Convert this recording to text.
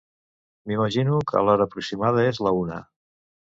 M'imagino que l'hora aproximada és la una.